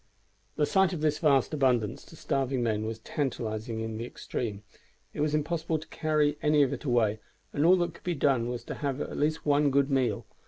The sight of this vast abundance to starving men was tantalizing in the extreme. It was impossible to carry any of it away and all that could be done was to have at least one good meal.